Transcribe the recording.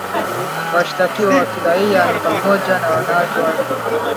Washtakiwa wa kiraia ni pamoja na wanawake wanne.